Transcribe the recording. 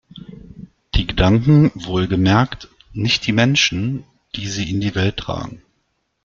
Die Gedanken, wohlgemerkt, nicht die Menschen, die sie in die Welt tragen“.